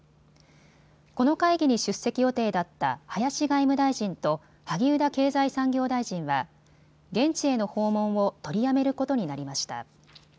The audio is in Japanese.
この会議に出席予定だった林外務大臣と萩生田経済産業大臣は現地への訪問を取りやめることになりました。